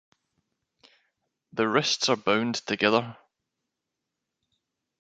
The wrists are bound together.